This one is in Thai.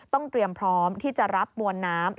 เตรียมพร้อมที่จะรับมวลน้ำ